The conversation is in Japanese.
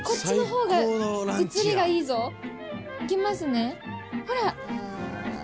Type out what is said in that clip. えっ。いきますねほら！